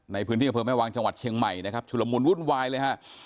ในพื้นที่อำเภอแม่วางจังหวัดเชียงใหม่นะครับชุลมุนวุ่นวายเลยฮะ